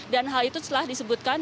dan hal itu telah disebutkan